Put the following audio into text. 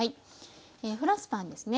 フランスパンですね。